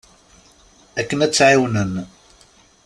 Akken ad tt-ɛiwnen.